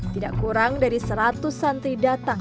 tidak kurang dari seratus santri datang